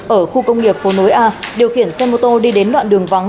ở khu công nghiệp phố nối a điều khiển xe mô tô đi đến đoạn đường vắng